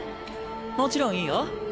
もちろんいいよ。